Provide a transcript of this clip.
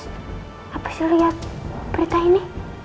habis dilihat berita ini